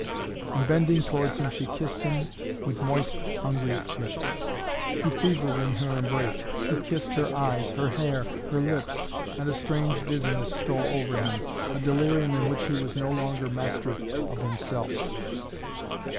And, bending towards him, she kissed him with moist, hungry lips. He fevered in her embrace. He kissed her eyes her hair her lips and a strange dizziness stole over him, a delirium in which he was no longer master of himself.